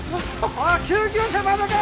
おい救急車まだか？